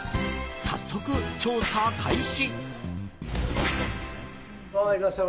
早速、調査開始。